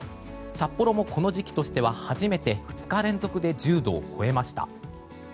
札幌もこの時期としては初めて２日連続で１０度を超えました。